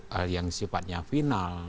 hal yang sifatnya final